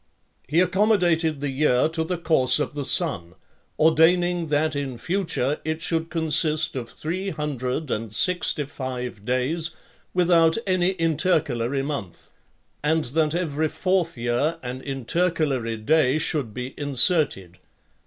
He accommodated the year to the course of the sun, ordaining that in future it should consist of three hundred and sixty five days without any intercalary month; and that every fourth year an intercalary day should be inserted.